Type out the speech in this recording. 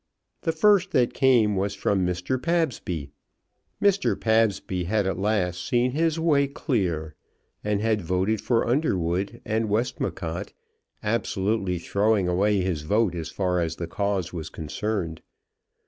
The first that came was from Mr. Pabsby. Mr. Pabsby had at last seen his way clear, and had voted for Underwood and Westmacott, absolutely throwing away his vote as far as the cause was concerned.